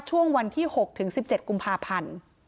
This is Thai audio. ช่วงวันที่๖ถึง๑๗กุมภาพันธ์